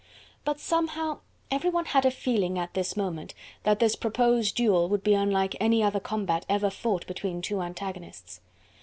But somehow everyone had a feeling at this moment that this proposed duel would be unlike any other combat ever fought between two antagonists.